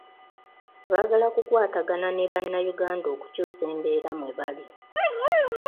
Baagala kukwatagana ne bannayuganda okukyusa embeera mwe bali.